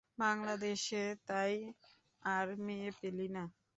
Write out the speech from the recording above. বাংলাদেশে তাই আর মেয়ে পেলি না?